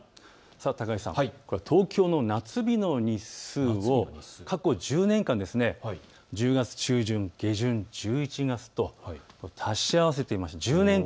高井さん、東京の夏日の日数を過去１０年間、１０月中旬、下旬、１１月と足し合わせてみました。